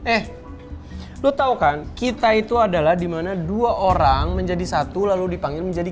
eh lu tahu kan kita itu adalah dimana dua orang menjadi satu lalu dipanggil menjadi